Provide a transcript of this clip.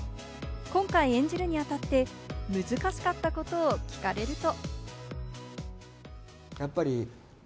今回演じるにあたって難しかったことを聞かれると。